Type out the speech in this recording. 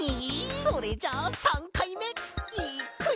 それじゃあ３かいめいっくよ！